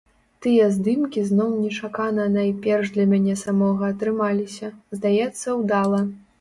Тыя здымкі зноў нечакана найперш для мяне самога атрымаліся, здаецца, удала.